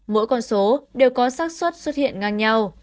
mỗi con số đều có sắc xuất hiện ngang nhau